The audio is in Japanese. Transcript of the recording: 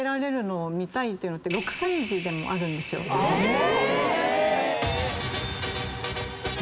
え